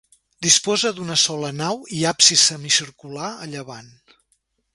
Disposa d'una sola nau i absis semicircular a llevant.